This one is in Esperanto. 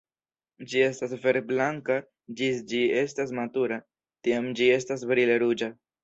Ĝi estas verd-blanka ĝis ĝi estas matura, tiam ĝi estas brile ruĝa.